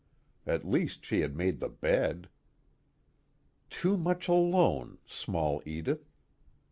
At least she had made the bed. _Too much alone, small Edith.